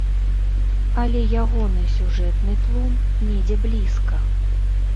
Але ягоны сюжэтны тлум недзе блізка.